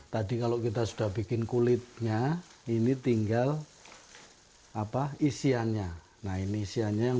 tadi kalau kita sudah bikin kulitnya ini tinggal apa isiannya nah ini isiannya yang